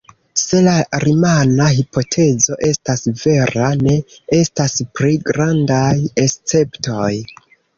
Se la rimana hipotezo estas vera, ne estas pli grandaj esceptoj.